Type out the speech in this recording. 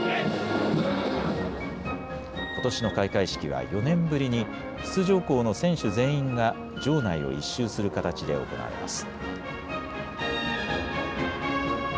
ことしの開会式は４年ぶりに出場校の選手全員が場内を１周する形で行われます。